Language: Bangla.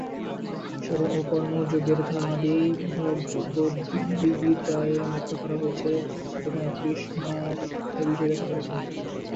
সেবা ও কর্ম যোগের ধারণাটি ভগবদ্গীতায় ব্যাখ্যা করা হয়েছে, যেখানে কৃষ্ণ এই বিষয়ে ব্যাখ্যা করেছেন।